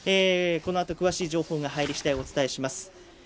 このあと詳しい情報が入り次第お伝えします。